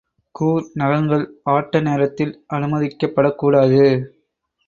கூர் நகங்கள் ஆட்ட நேரத்தில் அனுமதிக்கப் படக் கூடாது.